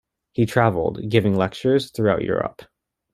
He travelled, giving lectures, throughout Europe.